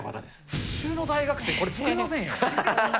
普通の大学生、これ、作れませんよ。